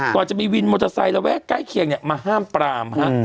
กว่าจะมีวินมอเตอร์ไซค์ระแวกใกล้เคียงมาห้ามปรามฮะ